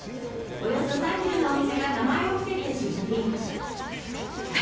およそ３０のお店が名前を伏せて出品。